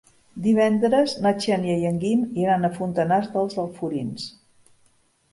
Divendres na Xènia i en Guim iran a Fontanars dels Alforins.